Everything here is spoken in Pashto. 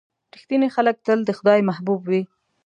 • رښتیني خلک تل د خدای محبوب وي.